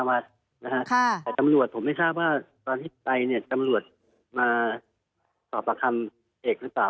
แต่ตำรวจผมไม่ทราบว่าตอนที่ไปเนี่ยตำรวจมาสอบประคำเอกหรือเปล่า